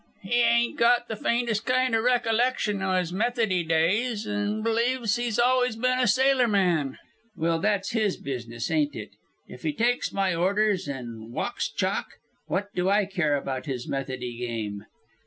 He ain't got the faintest kind o' recollection o' his Methody days, an' believes he's always been a sailorman. Well, that's his business, ain't it? If he takes my orders an' walks chalk, what do I care about his Methody game?